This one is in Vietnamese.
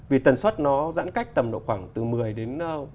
vì tần suất nó giãn cách tầm độ khoảng từ một mươi đến